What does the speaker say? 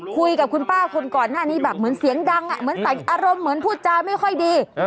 คุยกับคุณป้าคนก่อนหน้านี้แบบเหมือนเสียงดังเหมือนใส่อารมณ์เหมือนพูดจาไม่ค่อยดี